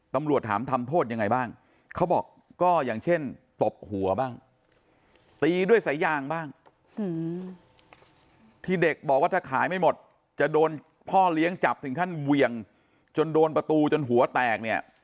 ตำรวจถามทำโทษยังไงบ้างเขาบอกก็อย่างเช่นตบหัวบ้างตีด้วยสายยางบ้างที่เด็กบอกว่าถ้าขายไม่หมดจะโดนพ่อเลี้ยงจับถึงขั้นเวียงจนโดนประตูจนหัวแตกเนี่ย